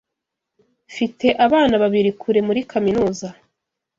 Mfite abana babiri kure muri kaminuza.